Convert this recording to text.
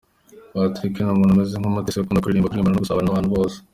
Patrick ni umuntu umeze nk’umutesi, ukunda kurimba, kuririmba no gusabana n’abantu bose.